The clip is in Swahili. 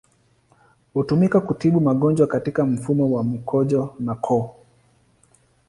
Hutumika kutibu magonjwa katika mfumo wa mkojo na koo.